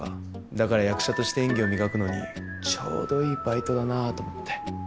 だから役者として演技を磨くのにちょうどいいバイトだなぁっと思って。